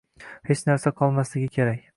Hech narsa qolmasligi kerak